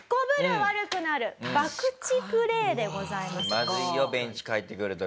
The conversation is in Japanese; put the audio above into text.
気まずいよベンチ帰ってくる時。